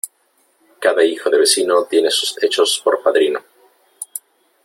Cada hijo de vecino tiene sus hechos por padrino.